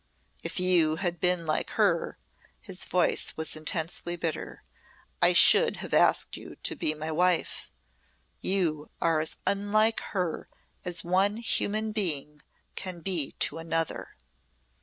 "If you had been like her," his voice was intensely bitter, "I should have asked you to be my wife. You are as unlike her as one human being can be to another."